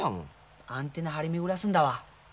アンテナ張り巡らすんだわ。